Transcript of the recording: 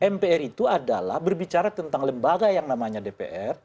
mpr itu adalah berbicara tentang lembaga yang namanya dpr